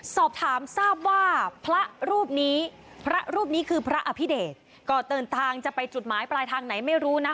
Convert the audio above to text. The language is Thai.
สอบถามทราบว่าพระรูปนี้พระรูปนี้คือพระอภิเดชก็เดินทางจะไปจุดหมายปลายทางไหนไม่รู้นะ